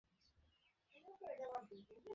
যা পছন্দ তাই করি।